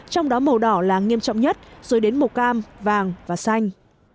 trong đó màu đỏ là nghiêm trọng nhất rồi đến màu cam vàng và xanh